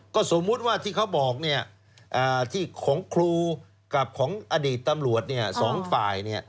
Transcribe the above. ก็สมมุติว่าที่เขาบอกที่ของครูกับของอดีตตำรวจสองฝ่าย